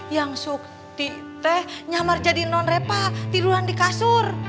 yang sukti teh nyamar jadi nonrepa tiduran di kasur